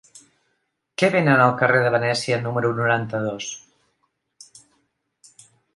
Què venen al carrer de Venècia número noranta-dos?